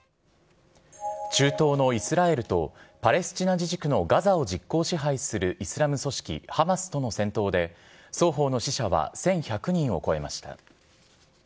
中東のイスラエルとパレスチナ自治区のガザを実効支配するイスラム組織ハマスとの戦闘で、双方の死者は１１００人を超えました。